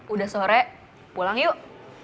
udah sore pulang yuk